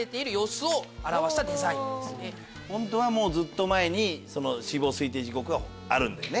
本当はずっと前に死亡推定時刻はあるんだよね。